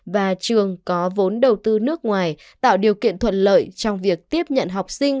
và trường có vốn đầu tư nước ngoài tạo điều kiện thuận lợi trong việc tiếp nhận học sinh